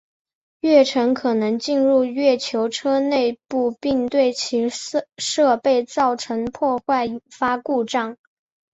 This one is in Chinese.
月尘可能进入月球车内部并对其设备造成破坏引发故障。